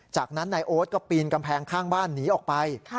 จากนั้นนายโอ๊ตก็ปีนกำแพงข้างบ้านหนีออกไป